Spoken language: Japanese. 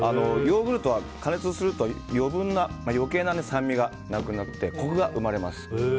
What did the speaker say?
ヨーグルトは加熱すると余計な酸味がなくなってコクが生まれます。